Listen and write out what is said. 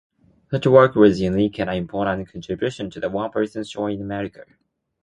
Such work was a "unique" and important contribution to the one-person show in America.